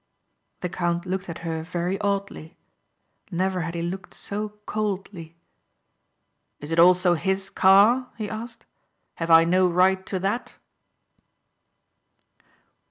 The count looked at her very oddly. Never had he looked so coldly. "Is it also his car?" he asked. "Have I no right to that?"